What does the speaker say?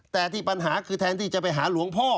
แต่ที่ปัญหาคือแทนที่จะไปหาหลวงพ่อ